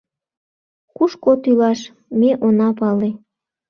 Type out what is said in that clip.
— Кушко тӱлаш — ме она пале.